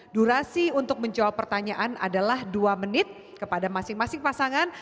durasi untuk menjawab pertanyaan adalah dua menit kepada masing masing pasangan